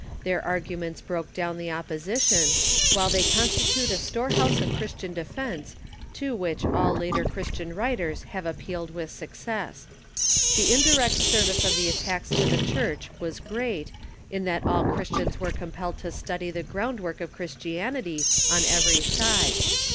Their arguments broke down the opposition, while they con stitute a storehouse of Christian defence to which all later Christian writers have appealed with success. The indirect service of the attacks to the Church was great, in that all Christians were compelled to study the groundwork of Chris tianity, on every side.